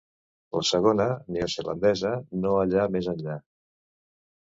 La segona, neozelandesa, no allà més enllà.